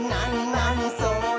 なにそれ？」